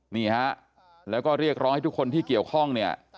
นี่ฮะแล้วเรียกร้องทุกคนที่เกี่ยวข้อง